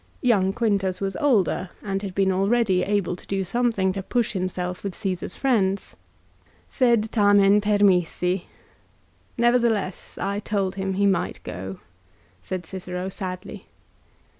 Young Quintus was older, and had been already able to do something to push himself with Caesar's friends. " Sed tarnen permisi." " Nevertheless, I told him he might go," said Cicero sadly.